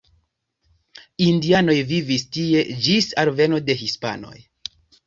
Indianoj vivis tie ĝis alveno de hispanoj.